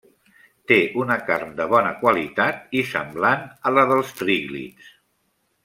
Té una carn de bona qualitat i semblant a la dels tríglids.